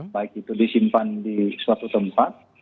baik itu disimpan di suatu tempat